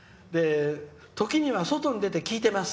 「時には外に出て聴いています。